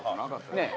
ねえ。